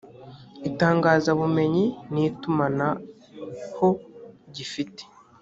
itangazabumenyi n’itumanaho gifite